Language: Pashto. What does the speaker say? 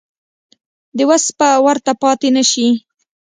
د وس به ورته پاتې نه شي.